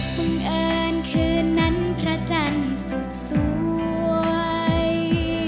คุณเอิญคืนนั้นพระจันทร์สุดสวย